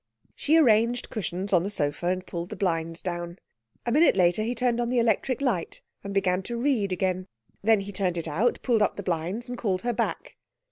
She arranged cushions on the sofa and pulled the blinds down. A minute later he turned on the electric light and began to read again. Then he turned it out, pulled up the blinds, and called her back.